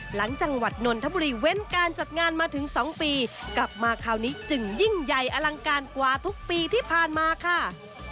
หลังจังหวัดนนทบุรีเว้นการจัดงานมาถึง๒ปีกลับมาคราวนี้จึงยิ่งใหญ่อลังการกว่าทุกปีที่ผ่านมาค่ะ